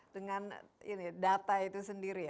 dengan data itu sendiri